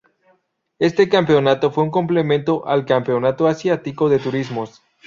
Este campeonato fue un complemento al Campeonato Asiático de Turismos.